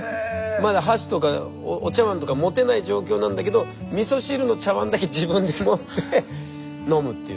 まだ箸とかお茶わんとか持てない状況なんだけどみそ汁の茶わんだけ自分で持って飲むっていう。